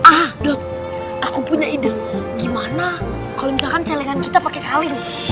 ah dok aku punya ide gimana kalau misalkan celengan kita pakai kaling